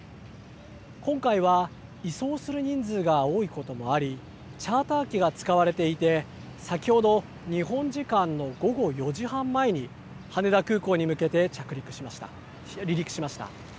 今回は、移送する人数が多いこともあり、チャーター機が使われていて、先ほど、日本時間の午後４時半前に、羽田空港に向けて離陸しました。